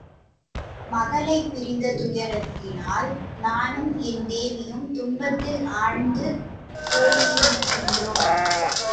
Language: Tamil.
மகளைப் பிரிந்த துயரத்தால் நானும் என் தேவியும் துன்பத்தில் ஆழ்ந்து போயிருக்கின்றோம்.